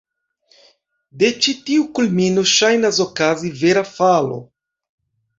De ĉi tiu kulmino ŝajnas okazi vera falo.